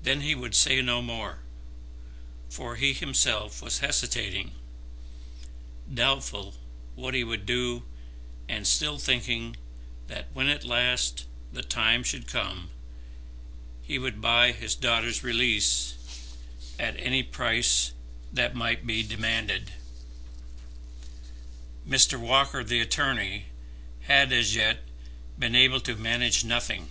Then he would say no more, for he himself was hesitating, doubtful what he would do, and still thinking that when at last the time should come, he would buy his daughter's release at any price that might be demanded. Mr. Walker, the attorney, had as yet been able to manage nothing.